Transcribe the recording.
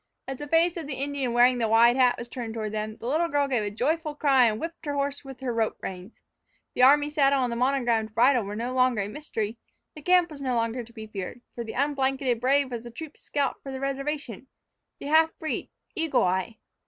As the face of the Indian wearing the wide hat was turned toward them, the little girl gave a joyful cry and whipped her horse with her rope reins. The army saddle and the monogrammed bridle were no longer a mystery, the camp was no longer to be feared, for the unblanketed brave was the troop's scout from the reservation, the half breed, Eagle Eye!